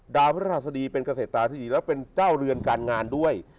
พฤหัสดีเป็นเกษตรตาที่ดีแล้วเป็นเจ้าเรือนการงานด้วย